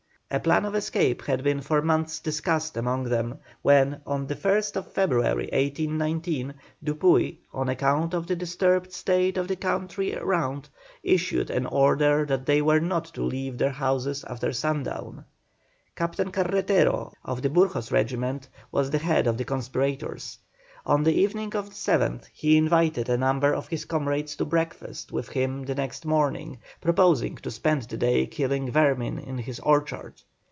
A plan of escape had been for months discussed among them, when, on the 1st February, 1819, Dupuy, on account of the disturbed state of the country round, issued an order that they were not to leave their houses after sundown. Captain Carretero of the Burgos regiment was the head of the conspirators. On the evening of the 7th he invited a number of his comrades to breakfast with him the next morning, proposing to spend the day killing vermin in his orchard.